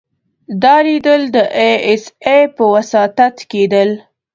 دا ليدل د ای اس ای په وساطت کېدل.